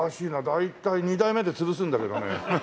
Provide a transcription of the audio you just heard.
大体２代目で潰すんだけどね。